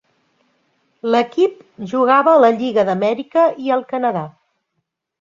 L'equip jugava a la Lliga d'Amèrica i el Canadà.